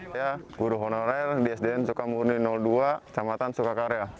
saya guru honorer di sdn sukamurni dua kecamatan sukakarya